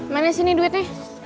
mana sih nih duitnya